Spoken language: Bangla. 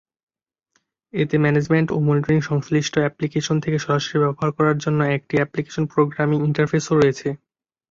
এতে ম্যানেজমেন্ট ও মনিটরিং সংশ্লিষ্ট অ্যাপ্লিকেশন থেকে সরাসরি ব্যবহার করার জন্য একটি "অ্যাপ্লিকেশন প্রোগ্রামিং ইন্টারফেস"ও রয়েছে।